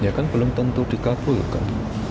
ya kan belum tentu dikabulkan